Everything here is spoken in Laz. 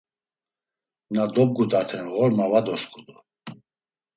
Na dobgutaten ğorma va dosǩudu.